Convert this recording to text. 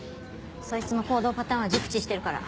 そいつの行動パターンは熟知してるから。